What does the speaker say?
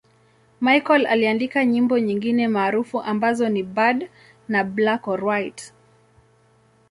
Michael aliandika nyimbo nyingine maarufu ambazo ni 'Bad' na 'Black or White'.